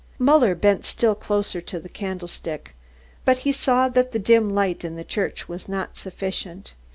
Muller bent still nearer to the candlestick, but he saw that the dim light in the church was not sufficient.